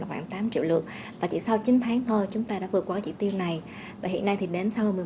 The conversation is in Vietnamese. khoảng một mươi năm triệu lượt và chỉ sau chín tháng thôi chúng ta đã vượt qua chỉ tiêu này hiện nay thì đến sau